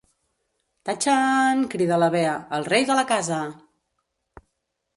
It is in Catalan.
Tatxaaan... –crida la Bea–, el rei de la casa!